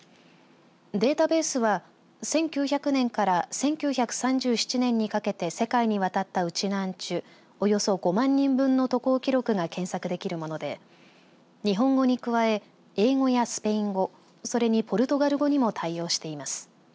データベースは１９００年から１９３７年にかけて世界に渡ったウチナーンチュおよそ５万人分の渡航記録が検索できるもので日本語に加え、英語やスペイン語それにポルトガル語にも対応しています。